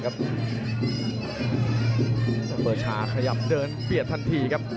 เบอร์ชาขยับเดินเบียดทันทีครับ